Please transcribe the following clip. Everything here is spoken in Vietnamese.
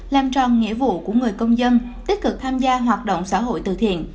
làm tròn nghĩa vụ của người công dân tích cực tham gia hoạt động xã hội từ thiện